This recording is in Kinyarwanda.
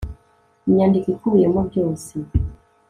inyandiko ikubiyemo byose